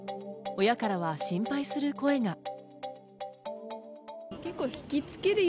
親からは心配する声が。